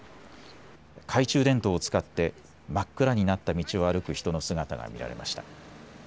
懐中電灯を使って真っ暗になった道を歩く人の姿が見られました。